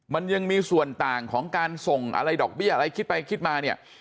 มันยังมีส่วนต่างของการส่งอะไรดอกเบี้ยอะไรคิดไปคิดมาเนี่ย